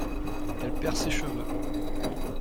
Elle perd ses cheveux.